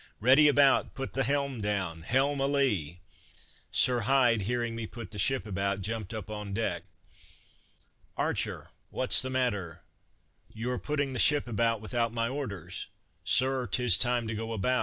"Ready about! put the helm down! Helm a lee!" Sir Hyde hearing me put the ship about, jumped upon deck. "Archer, what 's the matter? you are putting the ship about without my orders!" "Sir, 'tis time to go about!